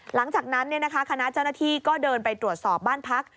หลังจากนั้นคณะเจ้าหน้าที่ก็เดินไปตรวจสอบบ้านพัก